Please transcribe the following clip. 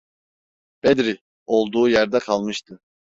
Bedri, olduğu yerde kalmıştı.